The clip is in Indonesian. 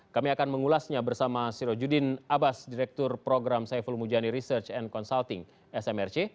kami akan mengulasnya bersama sirojudin abbas direktur program saiful mujani research and consulting smrc